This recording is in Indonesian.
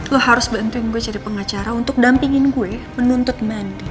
lo harus bantuin gue jadi pengacara untuk dampingin gue menuntut mandi